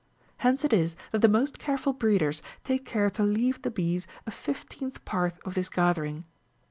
Hence it is that the most careful breeders take care to leave the bees a fifteenth part of this gathering.